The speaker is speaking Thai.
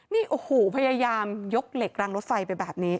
นี่โอ้โหพยายามยกเหล็กรังรถไฟไปแบบนี้